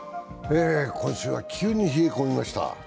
今週は急に冷え込みました。